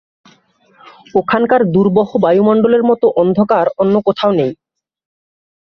ওখানকার দুর্বহ বায়ুমণ্ডলের মতো অন্ধকার অন্য কোথাও নেই।